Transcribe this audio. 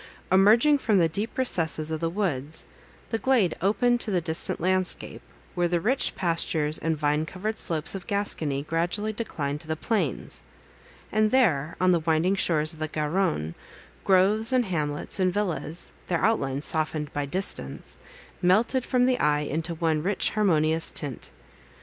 Emerging from the deep recesses of the woods, the glade opened to the distant landscape, where the rich pastures and vine covered slopes of Gascony gradually declined to the plains; and there, on the winding shores of the Garonne, groves, and hamlets, and villas—their outlines softened by distance, melted from the eye into one rich harmonious tint.